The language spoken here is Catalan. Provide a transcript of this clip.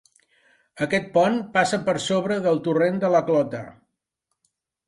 Aquest pont passa per sobre del torrent de la Clota.